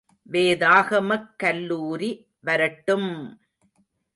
வேதாகமக் கல்லூரி வரட்டும்!